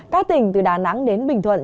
các tỉnh từ đà nẵng đến bình thuận